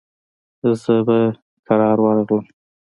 زه به کرار ورغلم.